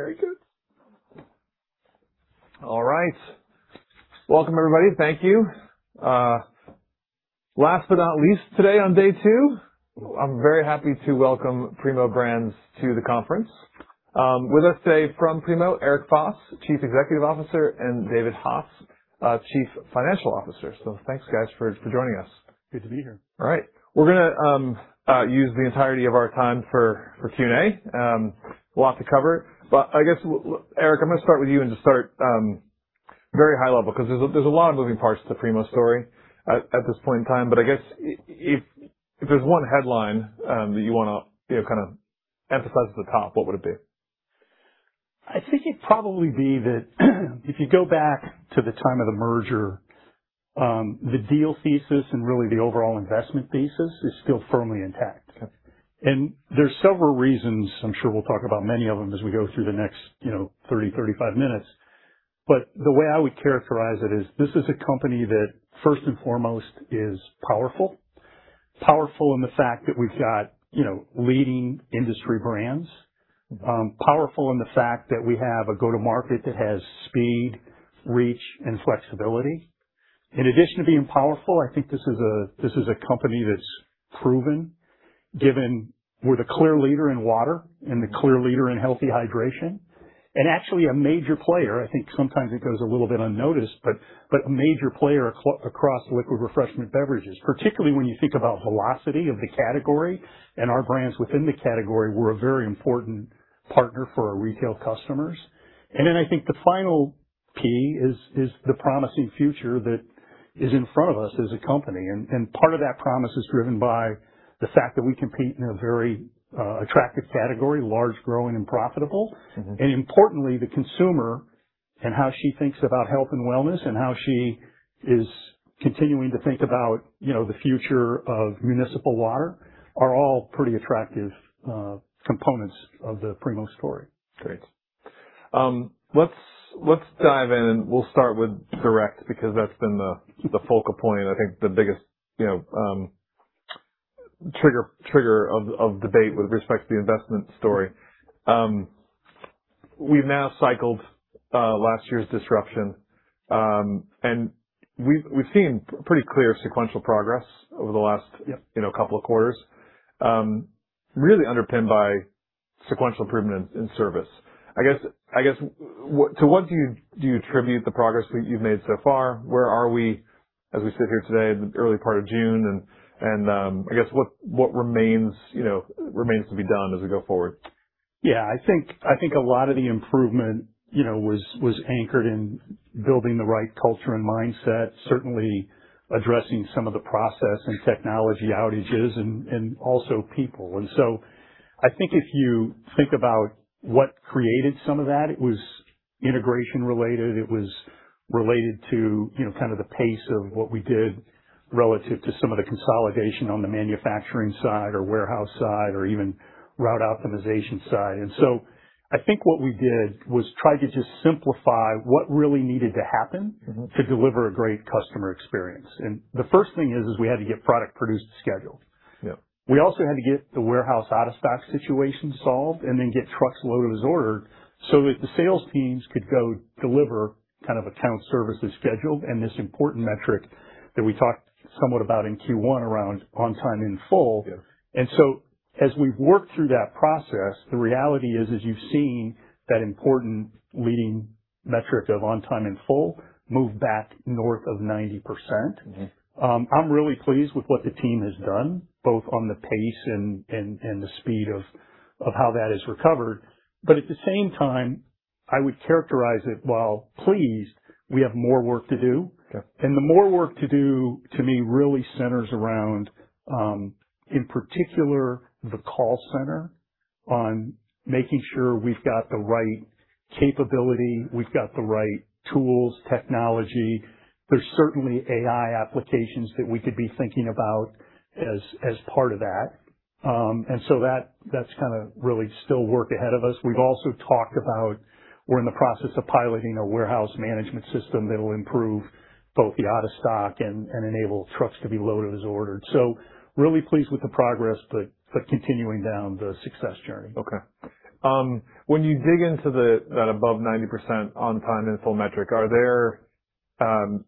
Very good. All right. Welcome, everybody. Thank you. Last but not least, today on day two, I am very happy to welcome Primo Brands to the conference. With us today from Primo, Eric Foss, Chief Executive Officer, and David Hass, Chief Financial Officer. Thanks, guys, for joining us. Good to be here. All right. We're going to use the entirety of our time for Q&A. A lot to cover. I guess, Eric, I'm going to start with you and just start very high level, because there's a lot of moving parts to the Primo story at this point in time. I guess, if there's one headline that you want to kind of emphasize at the top, what would it be? I think it would probably be that if you go back to the time of the merger, the deal thesis and really the overall investment thesis is still firmly intact. Okay. There's several reasons, I'm sure we'll talk about many of them as we go through the next 30, 35 minutes. The way I would characterize it is this is a company that, first and foremost, is powerful. Powerful in the fact that we've got leading industry brands. Powerful in the fact that we have a go-to-market that has speed, reach, and flexibility. In addition to being powerful, I think this is a company that's proven, given we're the clear leader in water and the clear leader in healthy hydration. Actually, a major player, I think sometimes it goes a little bit unnoticed, but a major player across liquid refreshment beverages, particularly when you think about velocity of the category and our brands within the category, we're a very important partner for our retail customers. Then I think the final P is the promising future that is in front of us as a company. Part of that promise is driven by the fact that we compete in a very attractive category, large, growing, and profitable. Importantly, the consumer and how she thinks about health and wellness and how she is continuing to think about the future of municipal water are all pretty attractive components of the Primo story. Great. Let's dive in. We'll start with Direct, because that's been the focal point, I think the biggest trigger of debate with respect to the investment story. We've now cycled last year's disruption. We've seen pretty clear sequential progress over the last. Yeah. Couple of quarters, really underpinned by sequential improvement in service. I guess, to what do you attribute the progress you've made so far? Where are we as we sit here today in the early part of June, what remains to be done as we go forward? Yeah, I think a lot of the improvement was anchored in building the right culture and mindset, certainly addressing some of the process and technology outages and also people. I think if you think about what created some of that, it was integration related, it was related to kind of the pace of what we did relative to some of the consolidation on the manufacturing side or warehouse side or even route optimization side. I think what we did was try to just simplify what really needed to happen to deliver a great customer experience. The first thing is we had to get product produced to schedule. Yep. We also had to get the warehouse out-of-stock situation solved and then get trucks loaded as ordered so that the sales teams could go deliver kind of account services scheduled and this important metric that we talked somewhat about in Q1 around on time, in full. Yep. As we've worked through that process, the reality is, as you've seen, that important leading metric of on time, in full moved back north of 90%. I'm really pleased with what the team has done, both on the pace and the speed of how that has recovered. At the same time, I would characterize it, while pleased, we have more work to do. Okay. The more work to do, to me, really centers around, in particular, the call center on making sure we've got the right capability, we've got the right tools, technology. There's certainly AI applications that we could be thinking about as part of that. That's kind of really still work ahead of us. We've also talked about we're in the process of piloting a warehouse management system that'll improve both the out of stock and enable trucks to be loaded as ordered. Really pleased with the progress, but continuing down the success journey. Okay. When you dig into that above 90% on time, in full metric,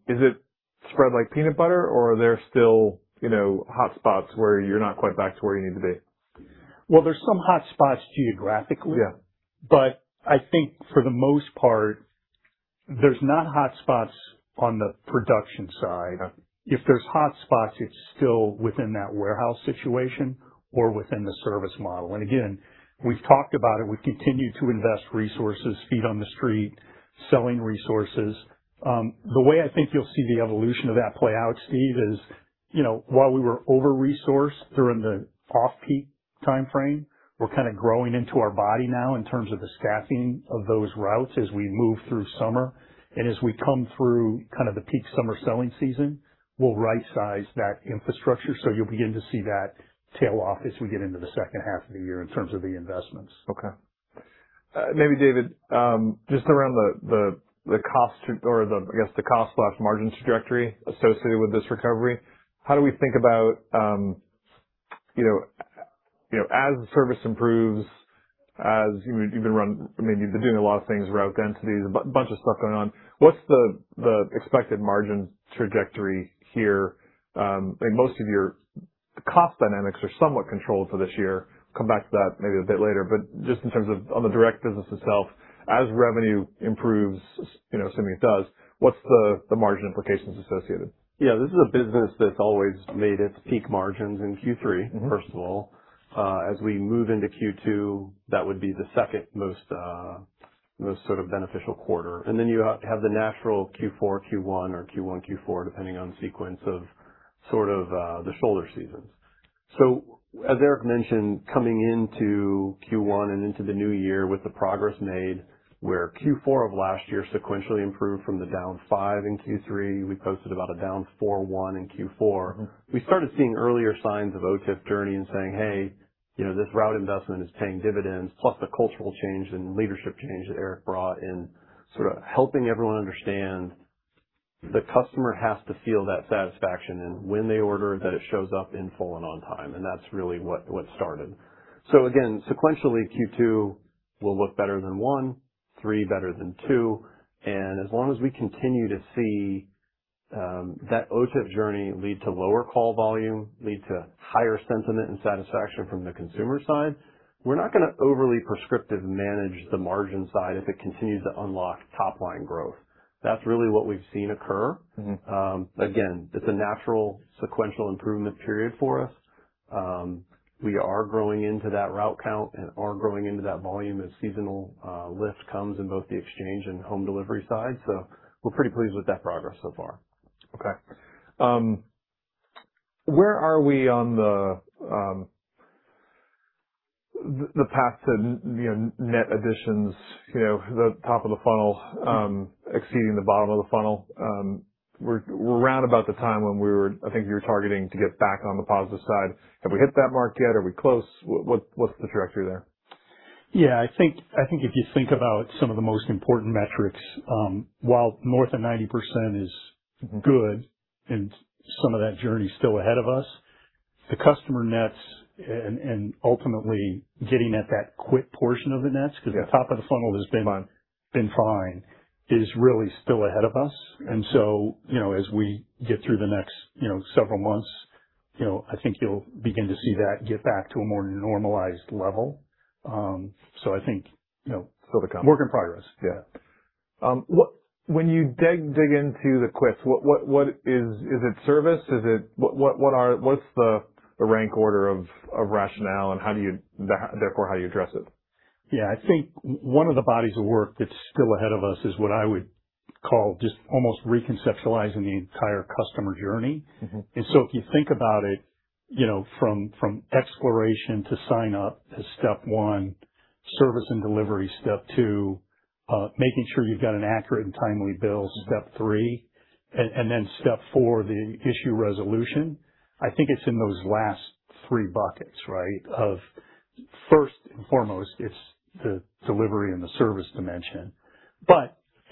is it spread like peanut butter, or are there still hotspots where you're not quite back to where you need to be? Well, there's some hotspots geographically. Yeah. I think for the most part, there's not hotspots on the production side. Okay. If there's hotspots, it's still within that warehouse situation or within the service model. Again, we've talked about it. We've continued to invest resources, feet on the street, selling resources. The way I think you'll see the evolution of that play out, Steve, is while we were over-resourced during the off-peak timeframe, we're kind of growing into our body now in terms of the staffing of those routes as we move through summer. As we come through kind of the peak summer selling season, we'll right-size that infrastructure. You'll begin to see that tail off as we get into the second half of the year in terms of the investments. Okay. Maybe, David, just around the cost, or I guess the cost/margin trajectory associated with this recovery, how do we think about? As the service improves, as you've been doing a lot of things, route densities, a bunch of stuff going on. What's the expected margin trajectory here? Most of your cost dynamics are somewhat controlled for this year. Come back to that maybe a bit later. Just in terms of on the direct business itself, as revenue improves, assuming it does, what's the margin implications associated? This is a business that's always made its peak margins in Q3, first of all. We move into Q2, that would be the second most beneficial quarter. You have the natural Q4 Q1 or Q1 Q4 depending on sequence of the shoulder seasons. As Eric mentioned, coming into Q1 and into the new year with the progress made, where Q4 of last year sequentially improved from the down 5% in Q3, we posted about a down 4.1% in Q4. We started seeing earlier signs of OTIF journey and saying, "Hey, this route investment is paying dividends." Plus the cultural change and leadership change that Eric brought in sort of helping everyone understand the customer has to feel that satisfaction in when they order that it shows up in full and on time. That's really what started. Again, sequentially, Q2 will look better than one, three better than two. As long as we continue to see that OTIF journey lead to lower call volume, lead to higher sentiment and satisfaction from the consumer side, we're not going to overly prescriptive manage the margin side if it continues to unlock top-line growth. That's really what we've seen occur. Again, it's a natural sequential improvement period for us. We are growing into that route count and are growing into that volume as seasonal lift comes in both the exchange and home delivery side. We're pretty pleased with that progress so far. Okay. Where are we on the path to net additions, the top of the funnel exceeding the bottom of the funnel? We're round about the time when we were, I think you were targeting to get back on the positive side. Have we hit that mark yet? Are we close? What's the trajectory there? Yeah. I think if you think about some of the most important metrics, while north of 90% is good and some of that journey is still ahead of us, the customer nets and ultimately getting at that quit portion of the nets, because the top of the funnel has been fine, is really still ahead of us. As we get through the next several months, I think you'll begin to see that get back to a more normalized level. I think still to come. Work in progress. Yeah. When you dig into the quits, is it service? What's the rank order of rationale and therefore how you address it? Yeah. I think one of the bodies of work that's still ahead of us is what I would call just almost reconceptualizing the entire customer journey. If you think about it from exploration to sign up to step one, service and delivery, step two, making sure you've got an accurate and timely bill, step three, then step four, the issue resolution. I think it's in those last three buckets, right? Of first and foremost, it's the delivery and the service dimension.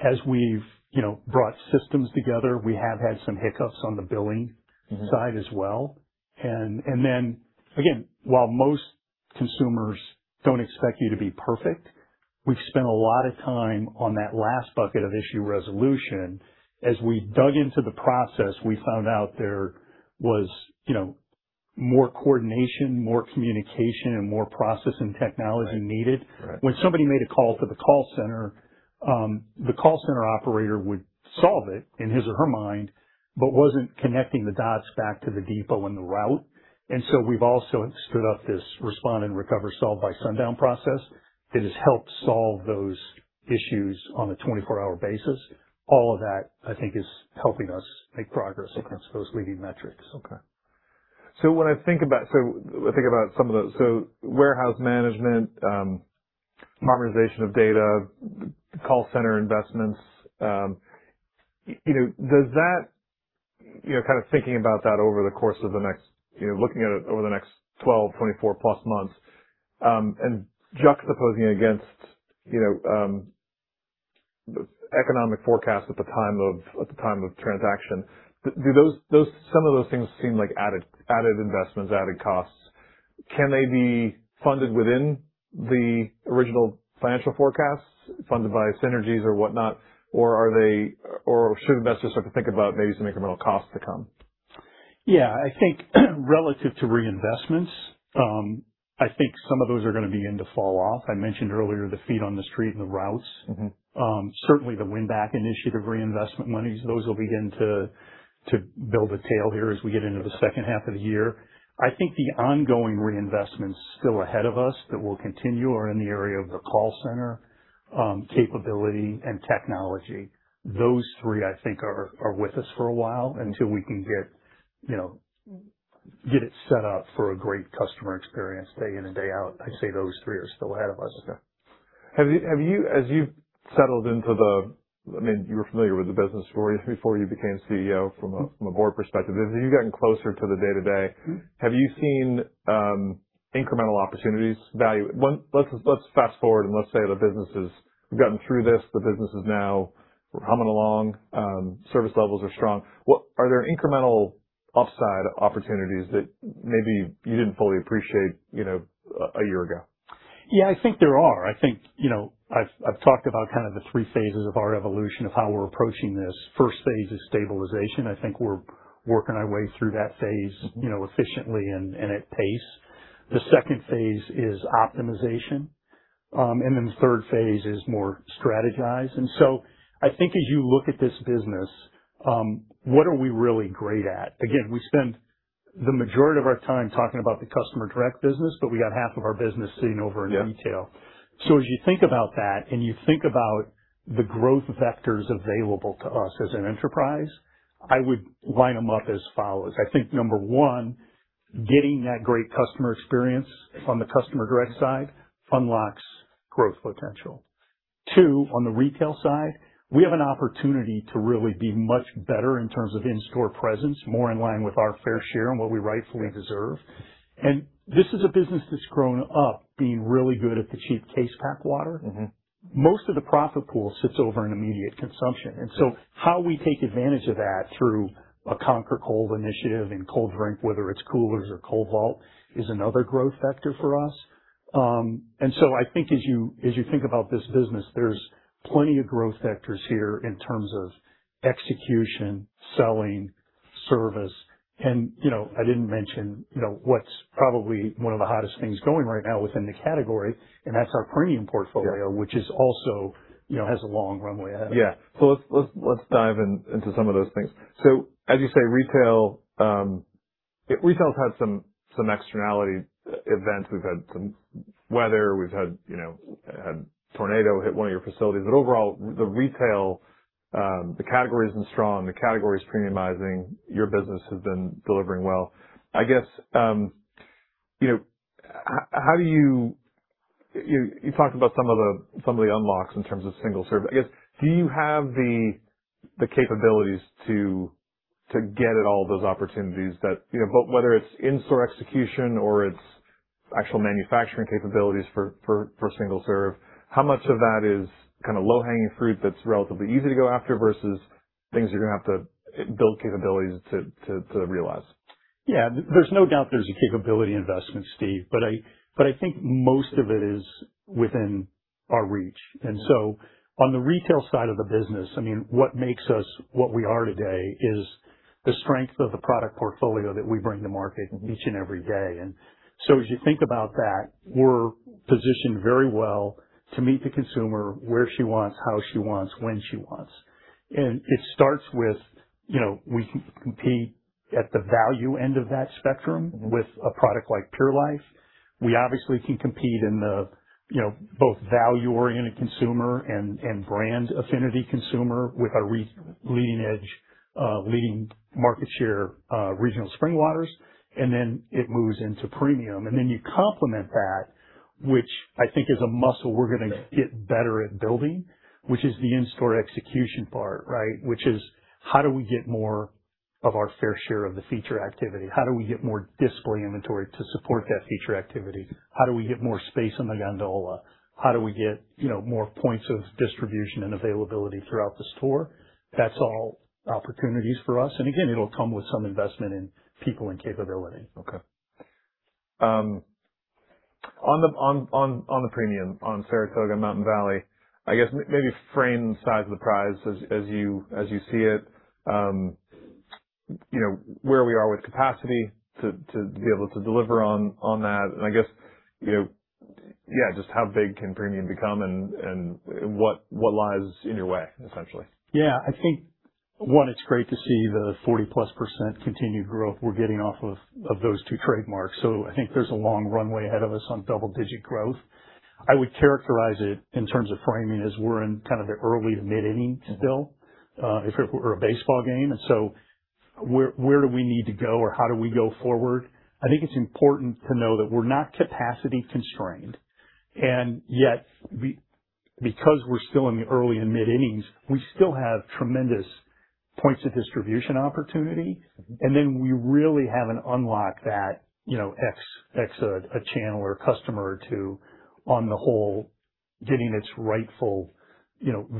As we've brought systems together, we have had some hiccups on the billing side as well. Then, again, while most consumers don't expect you to be perfect, we've spent a lot of time on that last bucket of issue resolution. As we dug into the process, we found out there was more coordination, more communication, and more process and technology needed. Right. When somebody made a call to the call center, the call center operator would solve it in his or her mind, but wasn't connecting the dots back to the depot and the route. We've also stood up this Respond and Recover Solve by Sundown process that has helped solve those issues on a 24-hour basis. All of that, I think, is helping us make progress across those leading metrics. When I think about some of those, so warehouse management, modernization of data, call center investments. Kind of thinking about that over the course of the next, looking at it over the next 12, 24 plus months, and juxtaposing against the economic forecast at the time of transaction. Do some of those things seem like added investments, added costs? Can they be funded within the original financial forecasts funded by synergies or whatnot? Should investors sort of think about maybe some incremental costs to come? Yeah. I think relative to reinvestments, I think some of those are going to begin to fall off. I mentioned earlier the feet on the street and the routes. Certainly the win-back initiative, reinvestment monies, those will begin to build a tail here as we get into the second half of the year. I think the ongoing reinvestments still ahead of us that will continue are in the area of the call center capability and technology. Those three, I think, are with us for a while until we can get it set up for a great customer experience day in and day out. I'd say those three are still ahead of us. Okay. As you've settled, I mean, you were familiar with the business before you became CEO from a board perspective. As you've gotten closer to the day-to-day. Have you seen incremental opportunities value? Let's fast-forward, let's say the business has gotten through this. The business is now humming along. Service levels are strong. Are there incremental upside opportunities that maybe you didn't fully appreciate a year ago? Yeah, I think there are. I've talked about kind of the three phases of our evolution of how we're approaching this. First phase is stabilization. I think we're working our way through that phase efficiently and at pace. The second phase is optimization. The third phase is more strategize. I think as you look at this business, what are we really great at? Again, we spend the majority of our time talking about the customer direct business, but we got half of our business sitting over in retail. Yeah. As you think about that and you think about the growth vectors available to us as an enterprise, I would line them up as follows. I think number one, getting that great customer experience from the customer direct side unlocks growth potential. Two, on the retail side, we have an opportunity to really be much better in terms of in-store presence, more in line with our fair share and what we rightfully deserve. This is a business that's grown up being really good at the cheap case pack water. Most of the profit pool sits over in immediate consumption. How we take advantage of that through a conquer cold initiative and cold drink, whether it's coolers or cold vault, is another growth vector for us. I think as you think about this business, there's plenty of growth vectors here in terms of execution, selling, service, and I didn't mention what's probably one of the hottest things going right now within the category, and that's our premium portfolio. Yeah. Which also has a long runway ahead. Yeah. Let's dive into some of those things. As you say, retail has had some externality events. We've had some weather. We've had a tornado hit one of your facilities, but overall, the retail, the category has been strong. The category is premiumizing. Your business has been delivering well. You talked about some of the unlocks in terms of single-serve. I guess, do you have the capabilities to get at all those opportunities that, whether it's in-store execution or it's actual manufacturing capabilities for single-serve, how much of that is kind of low-hanging fruit that's relatively easy to go after versus things you're going to have to build capabilities to realize? There's no doubt there's a capability investment, Steve. I think most of it is within our reach. On the retail side of the business, what makes us what we are today is the strength of the product portfolio that we bring to market each and every day. As you think about that, we're positioned very well to meet the consumer where she wants, how she wants, when she wants. It starts with, we can compete at the value end of that spectrum with a product like Pure Life. We obviously can compete in the both value-oriented consumer and brand affinity consumer with our leading edge, leading market share, regional spring waters. It moves into premium. You complement that, which I think is a muscle we're gonna get better at building which is the in-store execution part, right. Which is, how do we get more of our fair share of the feature activity? How do we get more display inventory to support that feature activity? How do we get more space on the gondola? How do we get more points of distribution and availability throughout the store? That's all opportunities for us. Again, it'll come with some investment in people and capability. Okay. On the premium, on Saratoga and Mountain Valley, I guess maybe frame the size of the prize as you see it, where we are with capacity to be able to deliver on that. Just how big can premium become and what lies in your way, essentially? Yeah, I think, one, it's great to see the 40%+ continued growth we're getting off of those two trademarks. I think there's a long runway ahead of us on double-digit growth. I would characterize it in terms of framing as we're in kind of the early to mid-innings still, if it were a baseball game. Where do we need to go or how do we go forward? I think it's important to know that we're not capacity constrained. Yet, because we're still in the early and mid-innings, we still have tremendous points of distribution opportunity. Then we really haven't unlocked that X channel or customer to, on the whole, getting its rightful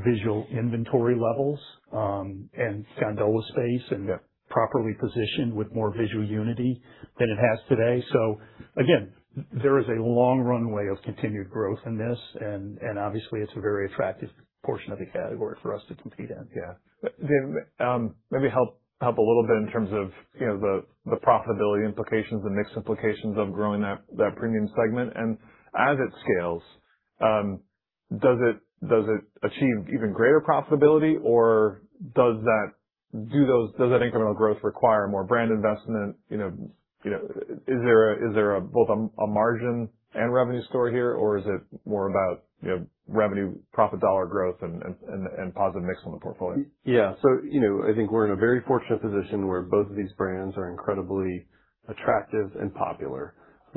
visual inventory levels, and gondola space, and properly positioned with more visual unity than it has today. Again, there is a long runway of continued growth in this and obviously, it's a very attractive portion of the category for us to compete in. Yeah. Maybe help a little bit in terms of the profitability implications, the mix implications of growing that premium segment. As it scales, does it achieve even greater profitability or does that incremental growth require more brand investment? Is there both a margin and revenue story here, or is it more about revenue profit dollar growth and positive mix on the portfolio? Yeah. I think we're in a very fortunate position where both of these brands are incredibly attractive and popular.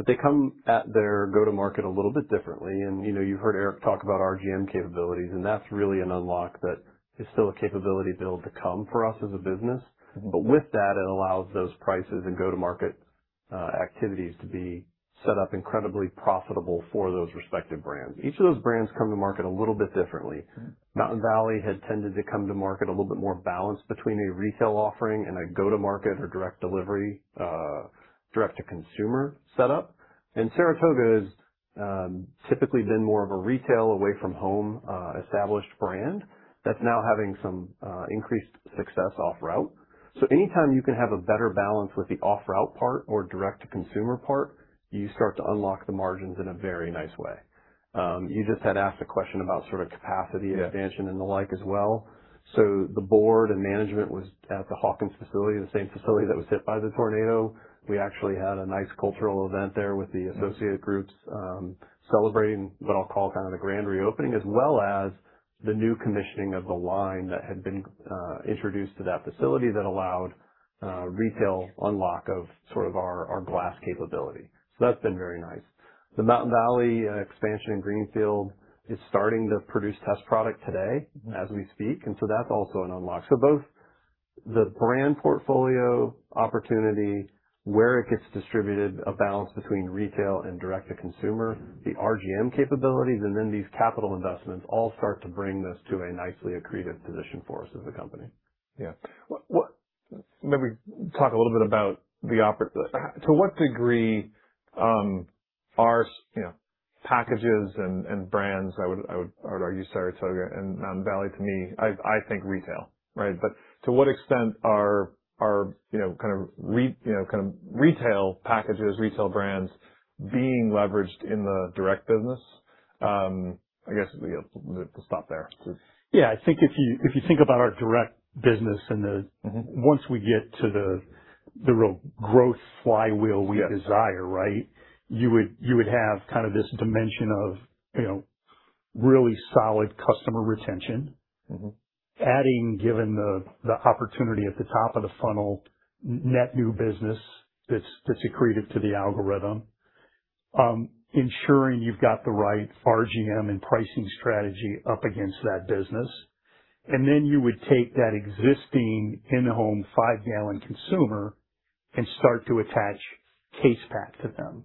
They come at their go-to-market a little bit differently. You've heard Eric talk about RGM capabilities, and that's really an unlock that is still a capability build to come for us as a business. With that, it allows those prices and go-to-market activities to be set up incredibly profitable for those respective brands. Each of those brands come to market a little bit differently. Mountain Valley has tended to come to market a little bit more balanced between a retail offering and a go-to-market or direct delivery, direct-to-consumer setup. Saratoga is. Typically been more of a retail away-from-home established brand that's now having some increased success off-route. Anytime you can have a better balance with the off-route part or direct-to-consumer part, you start to unlock the margins in a very nice way. You just had asked a question about sort of capacity expansion and the like as well. The board and management was at the Hawkins facility, the same facility that was hit by the tornado. We actually had a nice cultural event there with the associate groups, celebrating what I'll call kind of the grand reopening, as well as the new commissioning of the line that had been introduced to that facility that allowed retail unlock of sort of our glass capability. That's been very nice. The Mountain Valley expansion in Greenfield is starting to produce test product today as we speak. That's also an unlock. Both the brand portfolio opportunity, where it gets distributed, a balance between retail and direct-to-consumer, the RGM capabilities and then these capital investments all start to bring this to a nicely accretive position for us as a company. Yeah. Maybe talk a little bit about. To what degree are packages and brands, I would argue Saratoga and Mountain Valley to me, I think retail, right? To what extent are kind of retail packages, retail brands being leveraged in the direct business? I guess we have to stop there. I think if you think about our direct business and once we get to the real growth flywheel we desire, right? You would have kind of this dimension of really solid customer retention. Adding, given the opportunity at the top of the funnel, net new business that's accretive to the algorithm, ensuring you've got the right RGM and pricing strategy up against that business. You would take that existing in-home five-gallon consumer and start to attach case pack to them.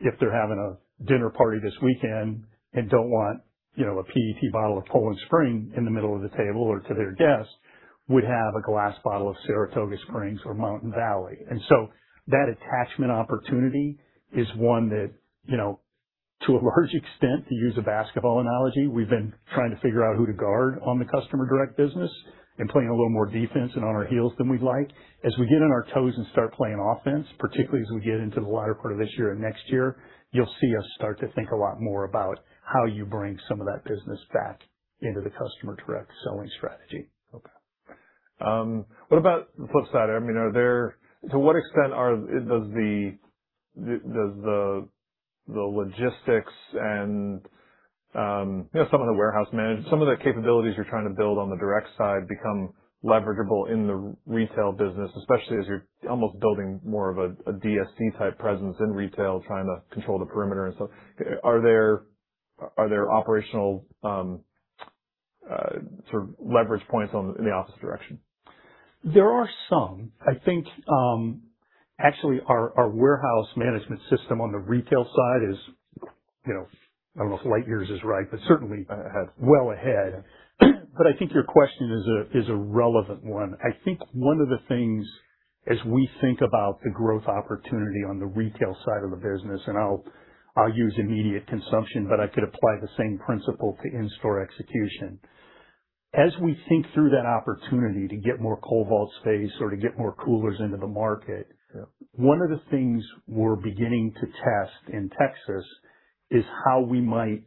If they're having a dinner party this weekend and don't want a PET bottle of Poland Spring in the middle of the table or to their desk, would have a glass bottle of Saratoga or Mountain Valley. That attachment opportunity is one that, to a large extent, to use a basketball analogy, we've been trying to figure out who to guard on the customer direct business and playing a little more defense and on our heels than we'd like. As we get on our toes and start playing offense, particularly as we get into the latter part of this year and next year, you'll see us start to think a lot more about how you bring some of that business back into the customer direct selling strategy. Okay. What about the flip side? To what extent does the logistics and some of the capabilities you're trying to build on the direct side become leverageable in the retail business, especially as you're almost building more of a DSD-type presence in retail, trying to control the perimeter and stuff. Are there operational sort of leverage points in the opposite direction? There are some. I think, actually, our warehouse management system on the retail side is, I don't know if light years is right but certainly well ahead. I think your question is a relevant one. I think one of the things as we think about the growth opportunity on the retail side of the business, and I'll use immediate consumption, but I could apply the same principle to in-store execution. As we think through that opportunity to get more cold vault space or to get more coolers into the market- Sure. One of the things we're beginning to test in Texas is how we might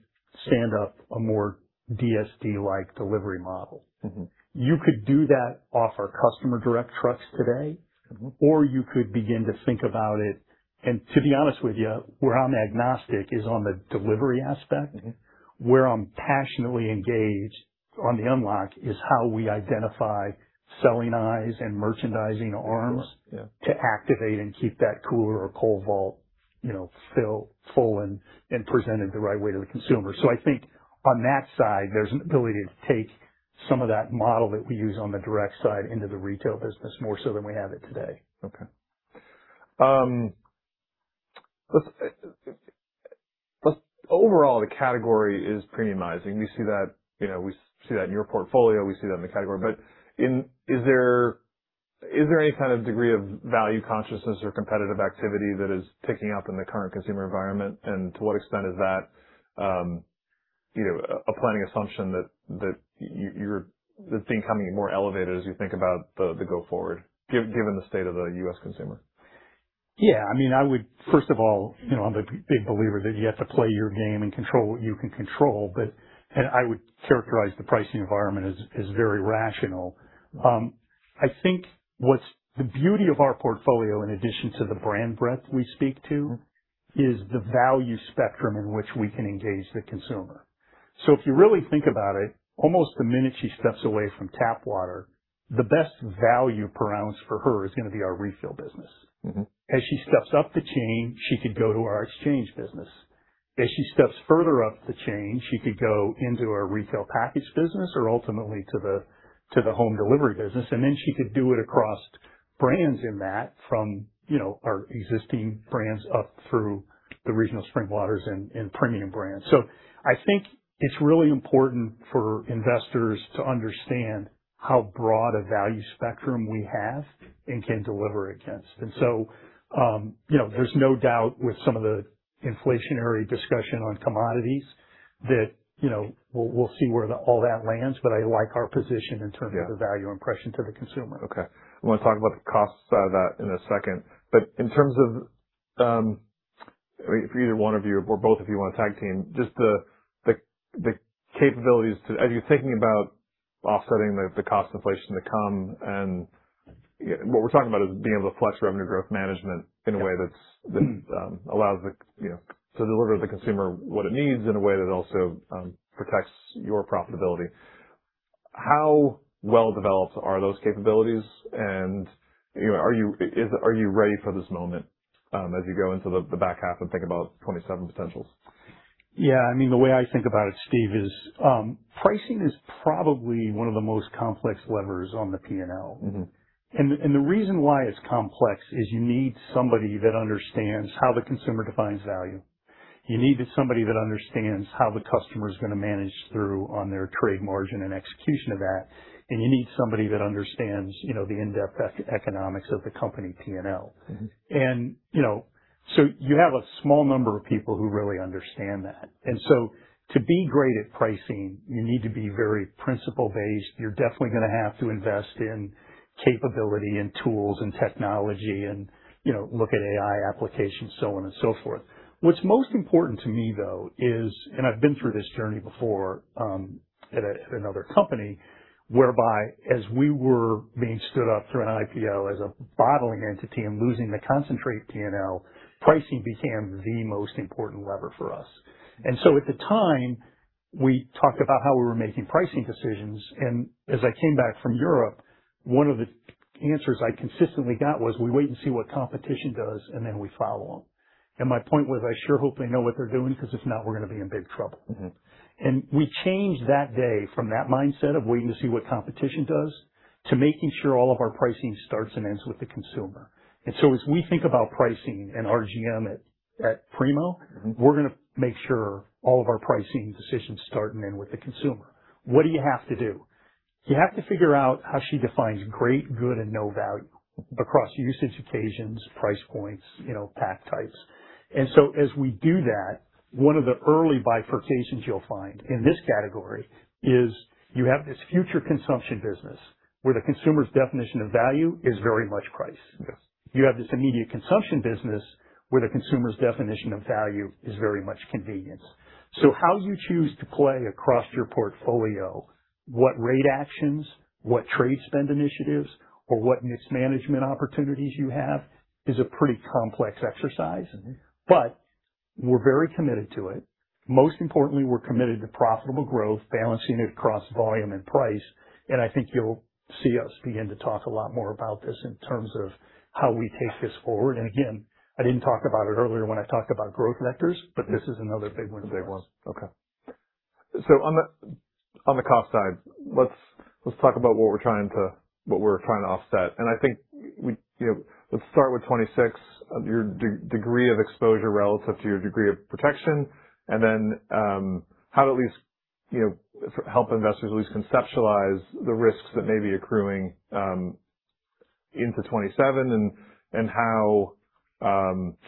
stand up a more DSD-like delivery model. You could do that off our customer direct trucks today. You could begin to think about it, and to be honest with you, where I'm agnostic is on the delivery aspect. Where I'm passionately engaged on the unlock is how we identify selling eyes and merchandising arms. Sure. Yeah to activate and keep that cooler or cold vault full and presented the right way to the consumer. I think on that side, there's an ability to take some of that model that we use on the direct side into the retail business more so than we have it today. Okay. Overall, the category is premiumizing. We see that in your portfolio, we see that in the category. Is there any kind of degree of value consciousness or competitive activity that is ticking up in the current consumer environment? To what extent is that a planning assumption that the thing coming in more elevated as you think about the go forward, given the state of the U.S. consumer? Yeah. First of all, I'm a big believer that you have to play your game and control what you can control. I would characterize the pricing environment as very rational. I think what's, the beauty of our portfolio, in addition to the brand breadth we speak to, is the value spectrum in which we can engage the consumer. If you really think about it, almost the minute she steps away from tap water, the best value per ounce for her is gonna be our refill business. As she steps up the chain, she could go to our exchange business. As she steps further up the chain, she could go into our retail package business or ultimately to the home delivery business, and then she could do it across brands in that from our existing brands up through the regional spring waters and premium brands. I think it's really important for investors to understand how broad a value spectrum we have and can deliver against. There's no doubt with some of the inflationary discussion on commodities, that we'll see where all that lands, but I like our position. Yeah. Of the value impression to the consumer. Okay. I want to talk about the costs of that in a second. In terms of, for either one of you or both of you want to tag team, just the capabilities to, as you're thinking about offsetting the cost inflation to come and what we're talking about is being able to flex revenue growth management in a way that allows to deliver the consumer what it needs in a way that also protects your profitability. How well-developed are those capabilities? Are you ready for this moment, as you go into the back half and think about 2027 potentials? Yeah. The way I think about it, Steve, is pricing is probably one of the most complex levers on the P&L. The reason why it's complex is you need somebody that understands how the consumer defines value. You need somebody that understands how the customer's going to manage through on their trade margin and execution of that. You need somebody that understands the in-depth economics of the company P&L. You have a small number of people who really understand that. To be great at pricing, you need to be very principle-based. You're definitely going to have to invest in capability and tools and technology and look at AI applications, so on and so forth. What's most important to me, though, is, and I've been through this journey before, at another company, whereby as we were being stood up through an IPO as a bottling entity and losing the concentrate P&L, pricing became the most important lever for us. At the time, we talked about how we were making pricing decisions. As I came back from Europe, one of the answers I consistently got was, "We wait and see what competition does, and then we follow them." My point was, I sure hope they know what they're doing because if not, we're going to be in big trouble. We changed that day from that mindset of waiting to see what competition does to making sure all of our pricing starts and ends with the consumer. As we think about pricing and RGM at Primo. We're going to make sure all of our pricing decisions start and end with the consumer. What do you have to do? You have to figure out how she defines great, good, and no value across usage occasions, price points, pack types. As we do that, one of the early bifurcations you'll find in this category is you have this future consumption business where the consumer's definition of value is very much price. Yes. You have this immediate consumption business where the consumer's definition of value is very much convenience. How you choose to play across your portfolio, what rate actions, what trade spend initiatives, or what mix management opportunities you have is a pretty complex exercise. We're very committed to it. Most importantly, we're committed to profitable growth, balancing it across volume and price. I think you'll see us begin to talk a lot more about this in terms of how we take this forward. Again, I didn't talk about it earlier when I talked about growth vectors, but this is another big one for us. Okay. On the cost side, let's talk about what we're trying to offset. I think let's start with 2026, your degree of exposure relative to your degree of protection, and then, how to at least help investors at least conceptualize the risks that may be accruing into 2027 and how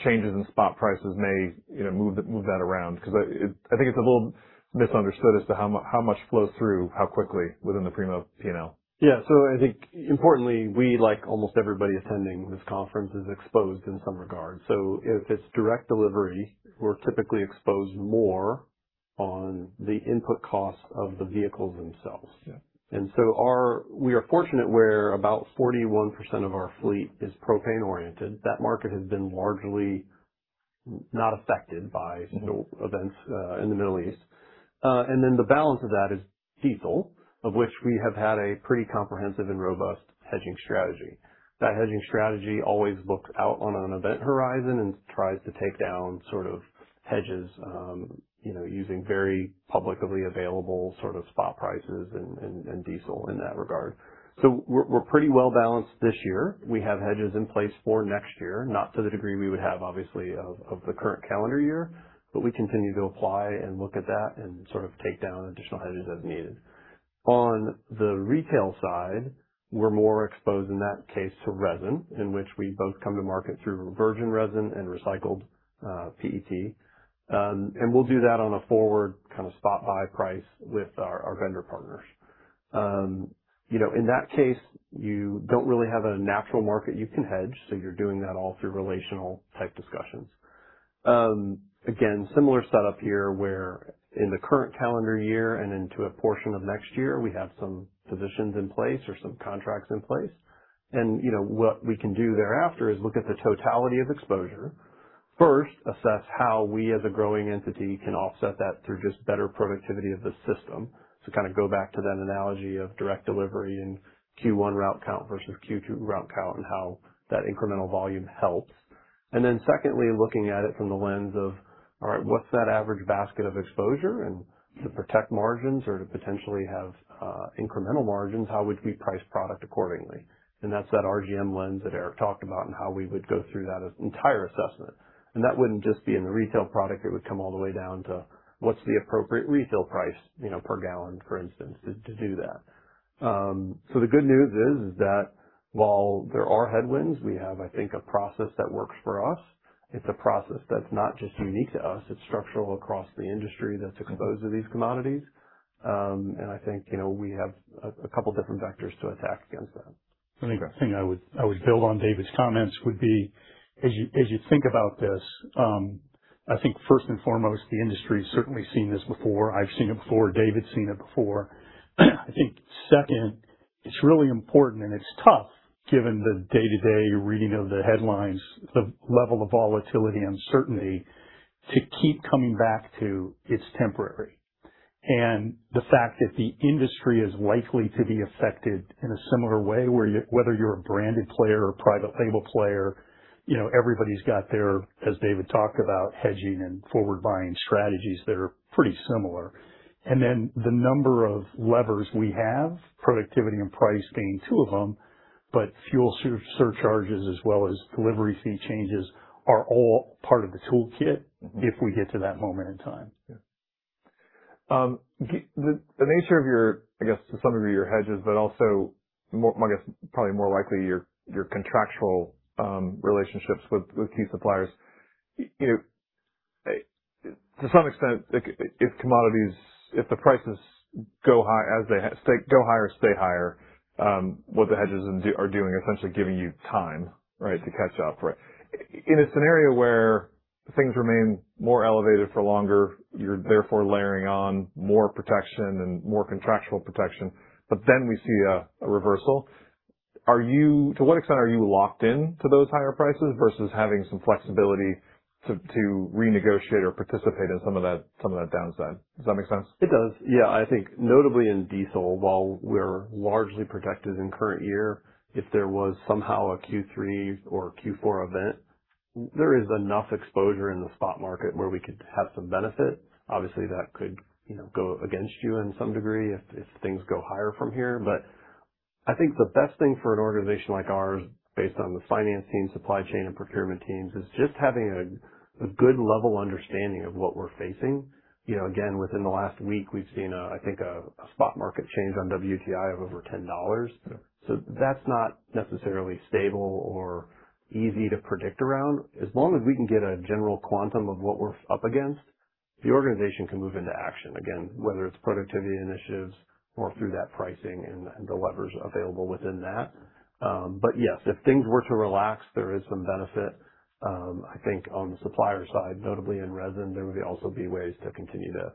changes in spot prices may move that around. I think it's a little misunderstood as to how much flows through how quickly within the Primo P&L. Yeah. I think importantly, we, like almost everybody attending this conference, is exposed in some regard. If it's direct delivery, we're typically exposed more on the input costs of the vehicles themselves. Yeah. We are fortunate where about 41% of our fleet is propane-oriented. That market has been largely not affected by events in the Middle East. The balance of that is diesel, of which we have had a pretty comprehensive and robust hedging strategy. That hedging strategy always looks out on an event horizon and tries to take down hedges, using very publicly available spot prices and diesel in that regard. We're pretty well-balanced this year. We have hedges in place for next year, not to the degree we would have, obviously, of the current calendar year, but we continue to apply and look at that and take down additional hedges as needed. On the retail side, we're more exposed in that case to resin, in which we both come to market through virgin resin and recycled PET. We'll do that on a forward spot buy price with our vendor partners. In that case, you don't really have a natural market you can hedge, so you're doing that all through relational type discussions. Similar setup here where in the current calendar year and into a portion of next year, we have some positions in place or some contracts in place. What we can do thereafter is look at the totality of exposure. First, assess how we as a growing entity, can offset that through just better productivity of the system to go back to that analogy of direct delivery and Q1 route count versus Q2 route count and how that incremental volume helps. Then secondly, looking at it from the lens of, all right, what's that average basket of exposure? To protect margins or to potentially have incremental margins, how would we price product accordingly? That's that RGM lens that Eric talked about and how we would go through that entire assessment. That wouldn't just be in the retail product. It would come all the way down to what's the appropriate retail price per gallon, for instance, to do that. The good news is that while there are headwinds, we have, I think, a process that works for us. It's a process that's not just unique to us, it's structural across the industry that's exposed to these commodities. I think, we have a couple different vectors to attack against them. I think the thing I would build on David's comments would be, as you think about this, I think first and foremost, the industry's certainly seen this before. I've seen it before. David's seen it before. I think second, it's really important, and it's tough given the day-to-day reading of the headlines, the level of volatility and uncertainty, to keep coming back to it's temporary. The fact that the industry is likely to be affected in a similar way, whether you're a branded player or a private label player, everybody's got their, as David talked about, hedging and forward buying strategies that are pretty similar. The number of levers we have, productivity and price being two of them but fuel surcharges as well as delivery fee changes are all part of the toolkit if we get to that moment in time. Yeah. The nature of your, I guess to some degree, your hedges, but also, I guess, probably more likely your contractual, relationships with key suppliers. To some extent, if commodities, if the prices go high or stay higher, what the hedges are doing are essentially giving you time, right, to catch up, right? In a scenario where things remain more elevated for longer, you're therefore layering on more protection and more contractual protection but then we see a reversal. To what extent are you locked in to those higher prices versus having some flexibility to renegotiate or participate in some of that downside? Does that make sense? It does. Yeah. I think notably in diesel, while we're largely protected in current year, if there was somehow a Q3 or Q4 event, there is enough exposure in the spot market where we could have some benefit. Obviously, that could go against you in some degree if things go higher from here. I think the best thing for an organization like ours, based on the finance team, supply chain, and procurement teams, is just having a good level understanding of what we're facing. Again, within the last week, we've seen, I think, a spot market change on WTI of over $10. Yeah. That's not necessarily stable or easy to predict around. As long as we can get a general quantum of what we're up against, the organization can move into action. Again, whether it's productivity initiatives or through that pricing and the levers available within that. Yes, if things were to relax, there is some benefit. I think on the supplier side, notably in resin, there would also be ways to continue to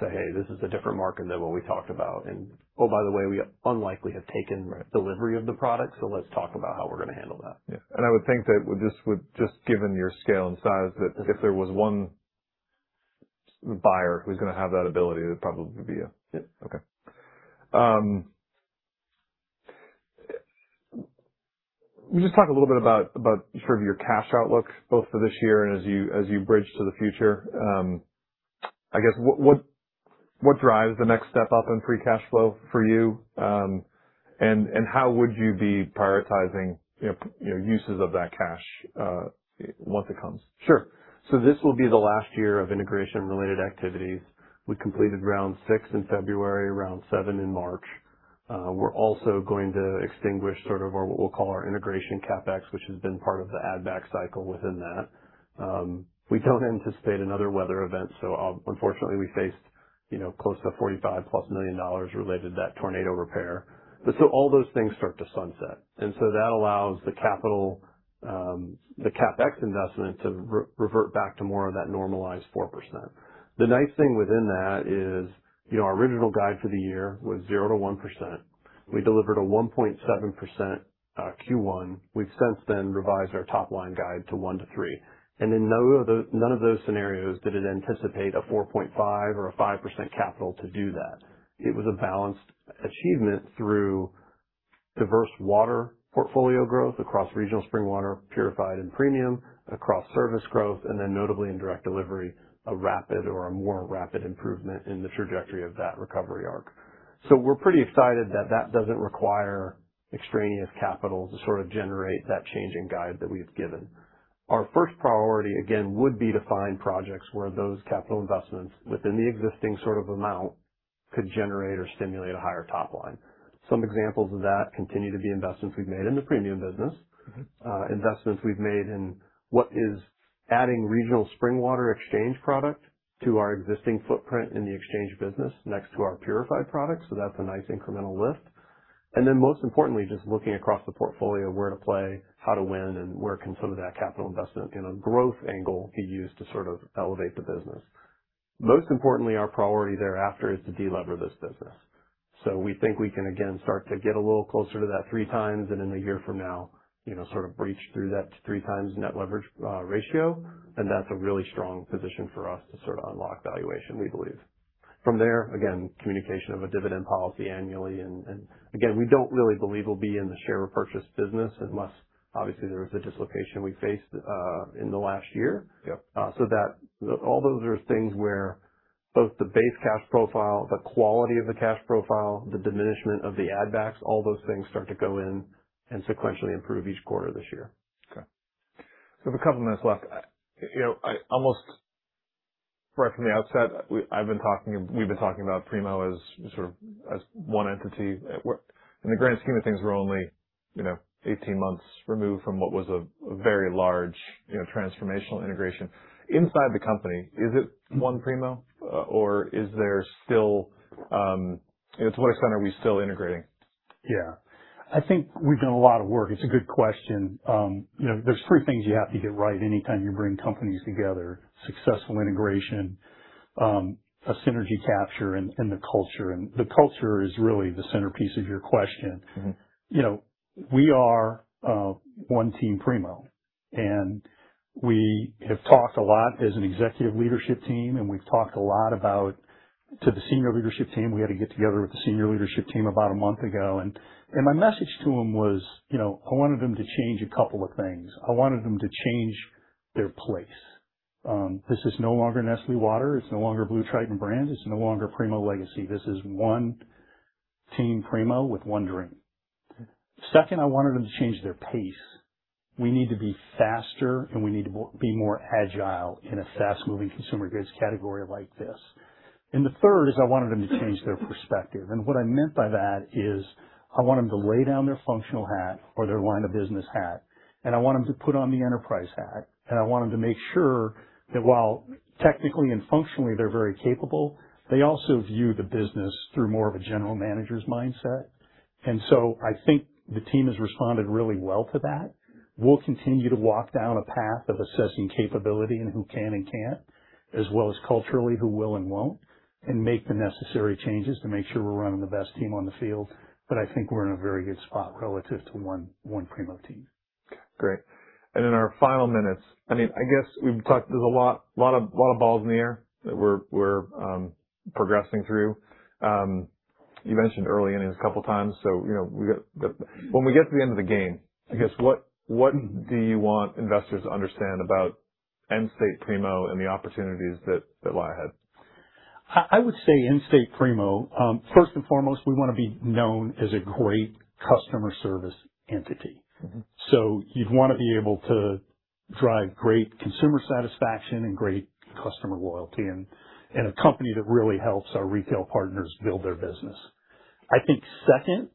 say, "Hey, this is a different market than what we talked about. And oh, by the way, we unlikely have taken delivery of the product, so let's talk about how we're going to handle that.'' Yeah. I would think that just given your scale and size, that if there was one buyer who's going to have that ability, it'd probably be you. Yeah. Okay. Can you just talk a little bit about sort of your cash outlook both for this year and as you bridge to the future? I guess, what drives the next step up in Free Cash Flow for you? How would you be prioritizing uses of that cash, once it comes? Sure. This will be the last year of integration-related activities. We completed round six in February, round seven in March. We're also going to extinguish sort of what we'll call our integration CapEx, which has been part of the add-back cycle within that. We don't anticipate another weather event, so unfortunately we faced close to $45+ million related to that tornado repair. All those things start to sunset, and so that allows the CapEx investment to revert back to more of that normalized 4%. The nice thing within that is, our original guide for the year was 0% to 1%. We delivered a 1.7% Q1. We've since then revised our top-line guide to 1% to 3%. In none of those scenarios did it anticipate a 4.5% or a 5% capital to do that. It was a balanced achievement through diverse water portfolio growth across regional spring water, purified, and premium, across service growth, notably in direct delivery, a rapid or a more rapid improvement in the trajectory of that recovery arc. We're pretty excited that that doesn't require extraneous capital to sort of generate that change in guide that we've given. Our first priority, again, would be to find projects where those capital investments within the existing sort of amount could generate or stimulate a higher top line. Some examples of that continue to be investments we've made in the premium business. Investments we've made in what is adding regional spring water exchange product to our existing footprint in the exchange business next to our purified products, that's a nice incremental lift. Most importantly, just looking across the portfolio, where to play, how to win, and where can some of that capital investment in a growth angle be used to sort of elevate the business. Most importantly, our priority thereafter is to delever this business. We think we can, again, start to get a little closer to that three times and in a year from now, sort of breach through that three times net leverage ratio. That's a really strong position for us to sort of unlock valuation, we believe. From there, again, communication of a dividend policy annually. Again, we don't really believe we'll be in the share repurchase business unless obviously there is a dislocation we faced in the last year. Yep. That all those are things where both the base cash profile, the quality of the cash profile, the diminishment of the add backs, all those things start to go in and sequentially improve each quarter this year. Okay. We have a couple minutes left. Right from the outset, we've been talking about Primo as sort of one entity. In the grand scheme of things, we're only 18 months removed from what was a very large transformational integration. Inside the company, is it one Primo or to what extent are we still integrating? Yeah. I think we've done a lot of work. It's a good question. There's three things you have to get right anytime you bring companies together, successful integration, a synergy capture, and the culture. The culture is really the centerpiece of your question. We are one team, Primo. We have talked a lot as an executive leadership team, and we've talked a lot to the senior leadership team. We had to get together with the senior leadership team about a month ago, and my message to them was, I wanted them to change a couple of things. I wanted them to change their place. This is no longer Nestlé Waters, it's no longer BlueTriton Brands, it's no longer Primo Legacy. This is one team Primo with one dream. Okay. Second, I wanted them to change their pace. We need to be faster, we need to be more agile in a fast-moving consumer goods category like this. The third is I wanted them to change their perspective. What I meant by that is I want them to lay down their functional hat or their line of business hat, and I want them to put on the enterprise hat, and I want them to make sure that while technically and functionally they're very capable, they also view the business through more of a general manager's mindset. I think the team has responded really well to that. We'll continue to walk down a path of assessing capability and who can and can't, as well as culturally who will and won't, and make the necessary changes to make sure we're running the best team on the field. I think we're in a very good spot relative to one Primo team. Okay, great. In our final minutes, there's a lot of balls in the air that we're progressing through. You mentioned early innings a couple of times, so when we get to the end of the game, I guess, what do you want investors to understand about end-state Primo and the opportunities that lie ahead? I would say end-state Primo, first and foremost, we want to be known as a great customer service entity. You'd want to be able to drive great consumer satisfaction and great customer loyalty and a company that really helps our retail partners build their business. I think second,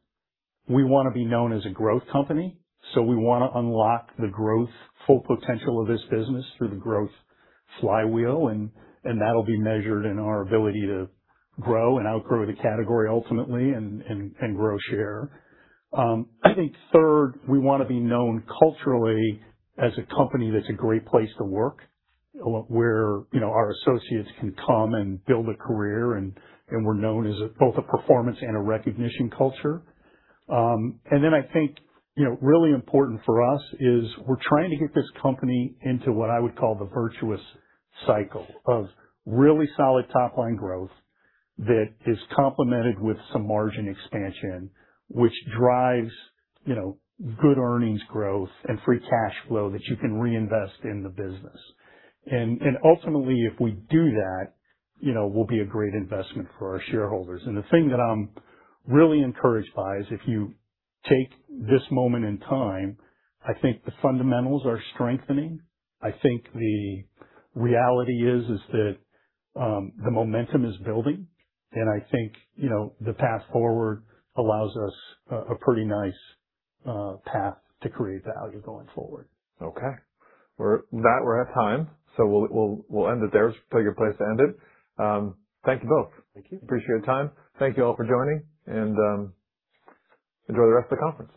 we want to be known as a growth company, we want to unlock the growth full potential of this business through the growth flywheel, and that'll be measured in our ability to grow and outgrow the category ultimately and grow share. I think third, we want to be known culturally as a company that's a great place to work, where our associates can come and build a career, and we're known as both a performance and a recognition culture. I think really important for us is we're trying to get this company into what I would call the virtuous cycle of really solid top-line growth that is complemented with some margin expansion, which drives good earnings growth and Free Cash Flow that you can reinvest in the business. Ultimately, if we do that, we'll be a great investment for our shareholders. The thing that I'm really encouraged by is if you take this moment in time, I think the fundamentals are strengthening. I think the reality is that the momentum is building, and I think the path forward allows us a pretty nice path to create value going forward. Okay. With that, we're at time, so we'll end it there. It's a pretty good place to end it. Thank you both. Thank you. Appreciate your time. Thank you all for joining, and enjoy the rest of the conference.